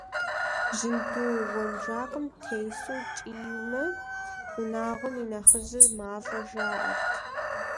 Жьынду уэнжакъым тесу кӀиймэ, унагъуэм и нэхъыжьыр малӀэ, жаӀэрт.